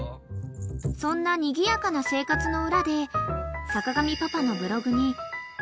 ［そんなにぎやかな生活の裏で坂上パパの］